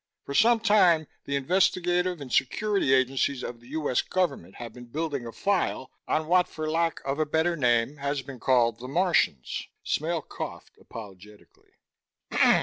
"For some time, the investigative and security agencies of the US government have been building a file on what for lack of a better name has been called 'The Martians.'" Smale coughed apologetically.